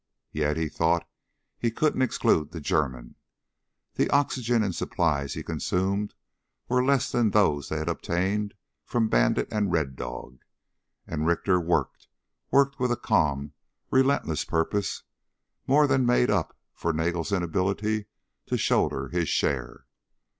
Yet, he thought, he couldn't exclude the German. The oxygen and supplies he consumed were less than those they had obtained from Bandit and Red Dog. And Richter worked worked with a calm, relentless purpose more than made up for Nagel's inability to shoulder his share.